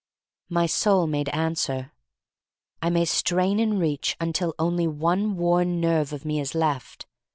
My soul made answer: "I may strain and reach until only one worn nerve of me is left.